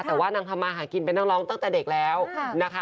แต่ว่านางทำมาหากินเป็นนักร้องตั้งแต่เด็กแล้วนะคะ